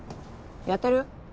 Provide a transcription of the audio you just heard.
やってる？